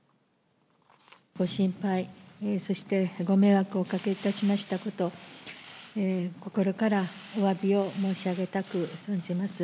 ご心配、そしてご迷惑をおかけいたしましたこと、心からおわびを申し上げたく存じます。